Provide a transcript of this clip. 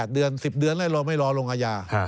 เดือน๑๐เดือนแล้วเราไม่รอลงอาญา